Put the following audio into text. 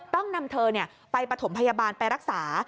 ต้องนำเธอไปปฐมพยาบาลไปรักษา